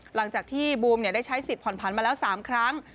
หลังจากที่บูมได้ใช้สิทธิผ่อนผันมาแล้ว๓ครั้ง